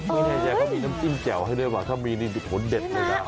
มีแท้แจ้เขามีน้ำจิ้มแจ๋วให้ด้วยบ่าถ้ามีนี่ดินผลเด็ดเลยนะ